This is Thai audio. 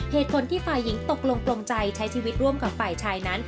เหตุผลที่ฝ่ายหญิงตกลงปลงใจใช้ชีวิตร่วมกับฝ่ายชายนั้น